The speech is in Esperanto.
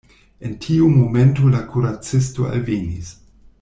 En tiu momento la kuracisto alvenis.